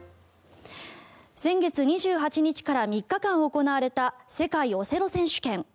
先月２８日から３日間行われた世界オセロ選手権。